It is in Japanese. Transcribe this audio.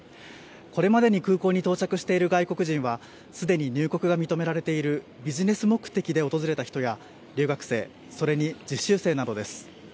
これまでに空港に到着している外国人はすでに入国が認められているビジネス目的で訪れた人や留学生、それに実習生などです。